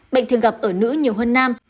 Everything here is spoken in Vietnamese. bệnh thường gặp ở nữ nhiều hơn nam